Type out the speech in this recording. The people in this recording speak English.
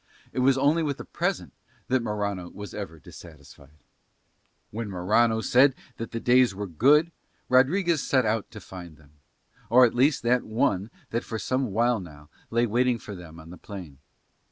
It was only with the present that Morano was ever dissatisfied. When Morano said that the days were good Rodriguez set out to find them, or at least that one that for some while now lay waiting for them on the plain.